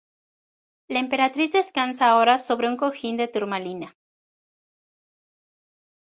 La emperatriz descansa ahora sobre un cojín de turmalina.